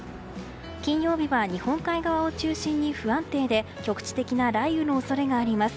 金曜日は日本海側を中心に不安定で局地的な雷雨の恐れがあります。